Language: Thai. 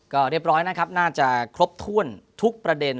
ก็เรียบร้อยนะครับน่าจะครบถ้วนทุกประเด็น